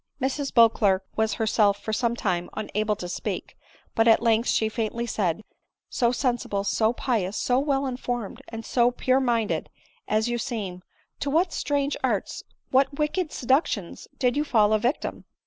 Mrs Beauclerc was herself for some time unable to speak ; but at length she faintly said —" So sensible, so pious; so well informed, and so pure minded as you seem !— to what strange arts, what wicked seductions did you fall a victim